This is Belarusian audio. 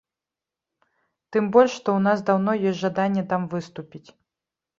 Тым больш што ў нас даўно ёсць жаданне там выступіць.